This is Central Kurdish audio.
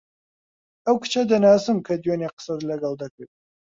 ئەو کچە دەناسم کە دوێنێ قسەت لەگەڵ دەکرد.